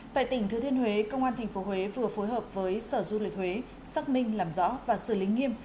tại tỉnh thừa thiên huế công an tp huế vừa phối hợp với sở du lịch huế xác minh làm rõ và xử lý nghiêm